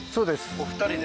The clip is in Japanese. お二人で？